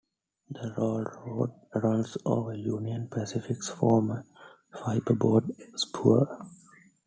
The railroad runs over Union Pacific's former "Fibreboard Spur".